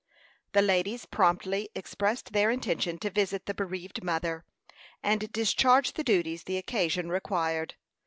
The ladies promptly expressed their intention to visit the bereaved mother, and discharge the duties the occasion required.